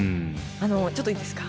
ちょっといいですか？